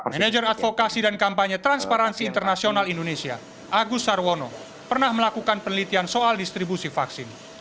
manager advokasi dan kampanye transparansi internasional indonesia agus sarwono pernah melakukan penelitian soal distribusi vaksin